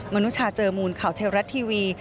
นุชาเจอมูลข่าวเทวรัฐทีวี